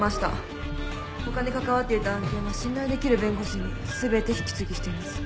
他に関わっていた案件は信頼できる弁護士に全て引き継ぎしています。